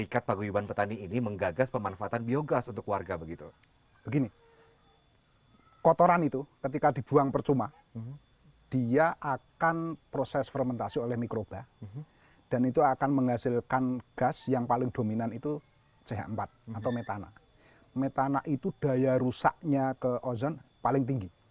ketepang kabupaten semarang